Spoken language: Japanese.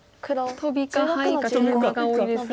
トビかハイかケイマが多いですが。